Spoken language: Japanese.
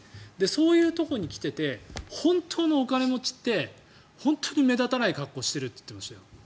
そういうところに来ていて本当のお金持ちって本当に目立たない格好をしてると言ってましたよ。